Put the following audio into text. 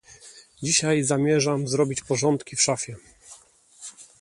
Dzisiaj zamierzam zrobić porządki w szafie.